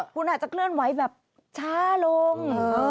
คุณอาจจะเคลื่อนไหวแบบช้าลง